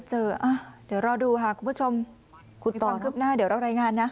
สวัสดีครับ